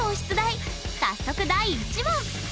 早速第１問！